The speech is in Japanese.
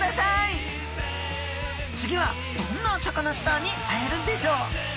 次はどんなサカナスターに会えるんでしょう。